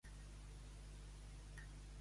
I de què és patrona?